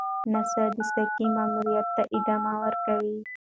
ناسا د سایکي ماموریت ته ادامه ورکوي.